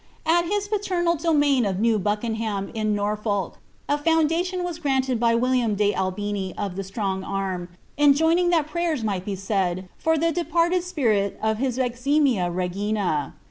At hia paternal domain of New Bntk enham in Norfolk, a foundation was granted by William de Albiiii of the Strong Arm, enjoining that prayers might be said for the <leptti1«d spirit of his eiimia regirta.